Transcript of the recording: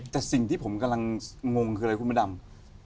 แต่สิ่งที่ผมกำลังงงคืออะไรคุณพระดำ